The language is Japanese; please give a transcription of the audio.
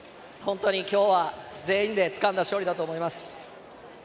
今日は全員でつかんだ勝利だと思います。